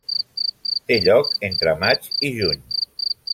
Té lloc entre maig i juny.